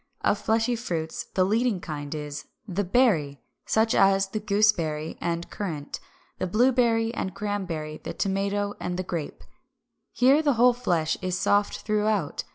Of fleshy fruits the leading kind is 352. =The Berry=, such as the gooseberry and currant, the blueberry and cranberry (Fig. 371), the tomato, and the grape. Here the whole flesh is soft throughout.